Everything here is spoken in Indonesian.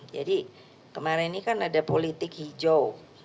jadi kemarin ini kan ada politik hijau